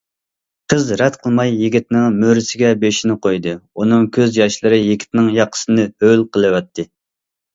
قىز رەت قىلماي يىگىتنىڭ مۈرىسىگە بېشىنى قويدى، ئۇنىڭ كۆز ياشلىرى يىگىتنىڭ ياقىسىنى ھۆل قىلىۋەتتى.